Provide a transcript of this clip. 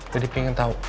deddy pengen tahu kenapa